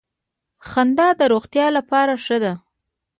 خندا د روغتیا لپاره ښه ده